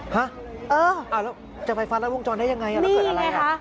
ฮะจะไฟฟ้ารัดวงจรได้ยังไงแล้วเกิดอะไรอ่ะนี่แหละค่ะ